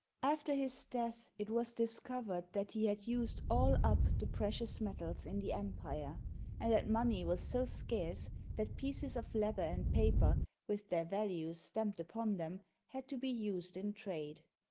After his death, it was discovered that he had used all up the precious metals in the empire, and that money was so scarce that pieces of leather and paper, with their values stamped upon them, had to be used in trade.